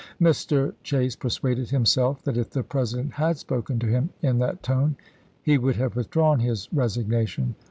Mr. Chase persuaded him self that if the President had spoken to him in that tone he would have withdrawn his resignation.